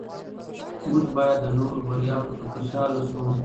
موږ باید د نورو بریاوو ته خوشحاله شو